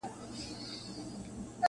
د ساقي د میوناب او د پیالو دی,